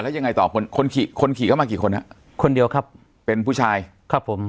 แล้วยังไงต่อคนคนขี่คนขี่เข้ามากี่คนฮะคนเดียวครับเป็นผู้ชายครับผม